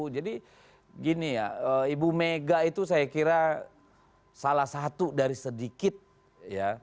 jadi gini ya ibu mega itu saya kira salah satu dari sedikit ya